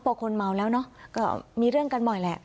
พอคนเมาแล้วเนอะก็มีเรื่องกันบ่อยแหละ